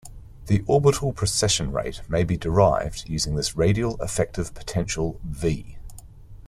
The orbital precession rate may be derived using this radial effective potential "V".